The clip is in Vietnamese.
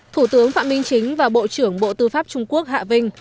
thủ tướng phạm minh chính và bộ trưởng bộ tư pháp trung quốc hạ vinh